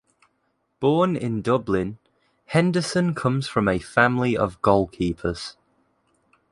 Born in Dublin, Henderson comes from a family of goalkeepers.